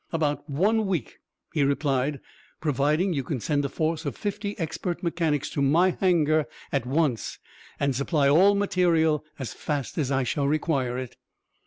"About one week," he replied, "providing you can send a force of fifty expert mechanics to my hangar at once and supply all material as fast as I shall require it."